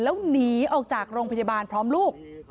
แล้วหนีออกจากโรงพยาบาลพร้อมลูก